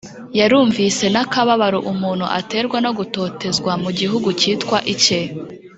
Yarumvise n akababaro umuntu aterwa no gutotezwa mu gihugu cyitwa icye